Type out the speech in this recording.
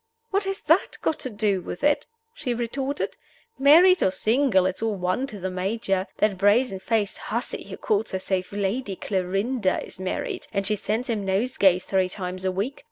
"What has that got to do with it?" she retorted. "Married or single, it's all one to the Major. That brazen faced hussy who calls herself Lady Clarinda is married, and she sends him nosegays three times a week!